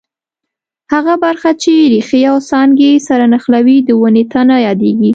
هغه برخه چې ریښې او څانګې سره نښلوي د ونې تنه یادیږي.